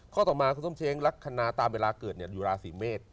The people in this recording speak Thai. ข้อต่อมาสุตมเชงมีลักษณะตามเวลาเกิดในยูราศีเมศ